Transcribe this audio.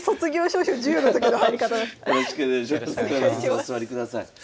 お座りください。